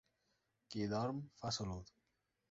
Qui dorm fa salut.